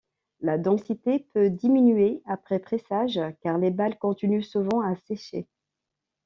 La densité peut diminuer après pressage car les balles continuent souvent à sécher.